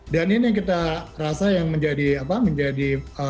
dan ini kita rasa yang menjadi pemikiran kita